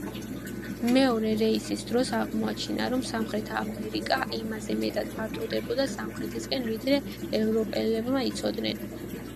მეორე რეისის დროს აღმოაჩინა, რომ სამხრეთი ამერიკა იმაზე მეტად ფართოვდებოდა სამხრეთისკენ, ვიდრე ევროპელებმა იცოდნენ.